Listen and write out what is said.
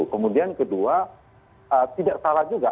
kemudian kedua tidak salah juga